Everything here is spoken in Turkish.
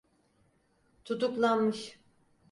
Tutuklanmış.